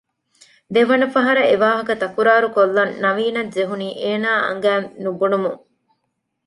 ދެވަނަ ފަހަރަށް އެވާހަކަ ތަކުރާރުކޮއްލަން ނަވީނަށް ޖެހުނީ އޭނާ އަނގައިން ނުބުނުމުން